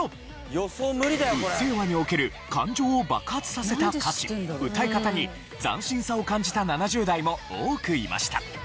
『うっせぇわ』における感情を爆発させた歌詞歌い方に斬新さを感じた７０代も多くいました。